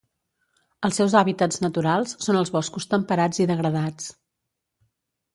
Els seus hàbitats naturals són els boscos temperats i degradats.